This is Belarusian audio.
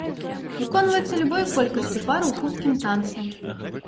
Выконваецца любой колькасцю пар у хуткім танцы.